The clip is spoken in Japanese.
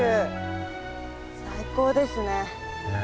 最高ですね。